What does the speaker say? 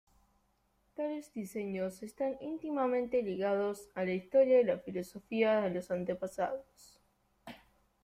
Tales diseños están íntimamente ligados a la historia y la filosofía de los antepasados.